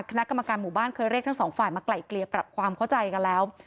คณะกรรมการหมู่บ้านเคยเรียกทั้งสองฝ่ายมาไกล่เกลี่ยปรับความเข้าใจกันแล้ว